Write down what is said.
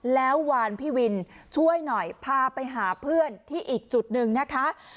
แล้ววานพี่วินช่วยหน่อยพาไปหาเพื่อนที่อีกจุดหนึ่งนะคะ